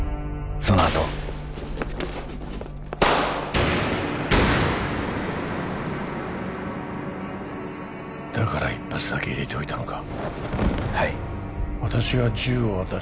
そのあとだから１発だけ入れておいたのかはい私が銃を渡し